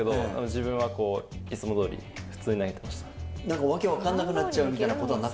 自分はいつもどおり普通に投げてました。